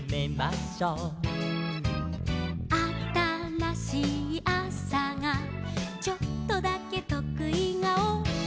「あたらしいあさがちょっとだけとくい顔」